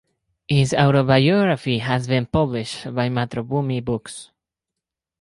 His autobiography has been published by Mathrubhumi Books.